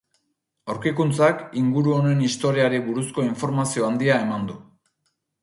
Aurkikuntzak inguru honen historiari buruzko informazio handia eman du.